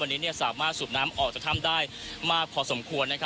วันนี้เนี้ยสามารถสูบน้ำออกจากถ้ำได้มากพอสมควรนะครับ